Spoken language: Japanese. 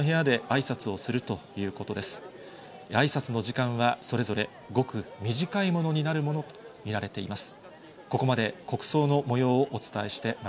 あいさつの時間は、それぞれごく短いものになるものと見られています。